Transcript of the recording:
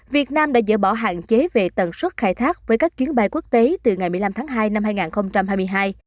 việt nam đã dỡ bỏ hạn chế về tần suất khai thác với các chuyến bay quốc tế từ ngày một mươi năm tháng hai năm hai nghìn hai mươi hai